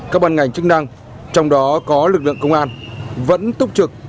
các bàn ngành chức năng trong đó có lực lượng công an vẫn túc trực